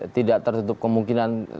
tidak tertutup kemungkinan